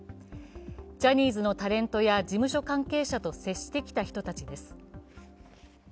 ジャニーズのタレントや事務所関係者と接してきた人たちです。